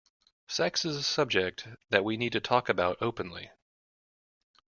Sex is a subject that we need to talk about openly.